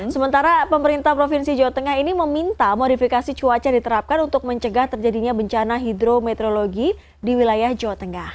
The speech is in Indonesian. sementara pemerintah provinsi jawa tengah ini meminta modifikasi cuaca diterapkan untuk mencegah terjadinya bencana hidrometeorologi di wilayah jawa tengah